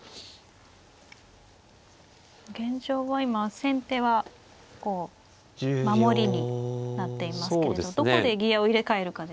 現状は今先手はこう守りになっていますけれどどこでギアを入れ替えるかですね。